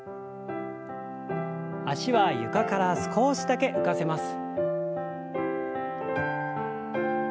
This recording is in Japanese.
脚は床から少しだけ浮かせます。